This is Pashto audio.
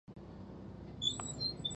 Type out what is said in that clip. په نورو ژبو کې کیسې د عمر په اساس مشخصېږي